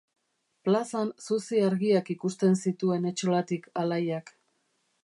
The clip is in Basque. Plazan zuzi-argiak ikusten zituen etxolatik Alaiak.